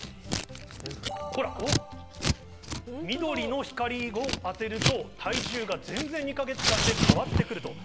ほら、緑の光を当てると体重が２か月間で変わってくると。